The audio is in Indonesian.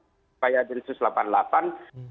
kemungkinan memang untuk penangkapan penangkapan di jawa timur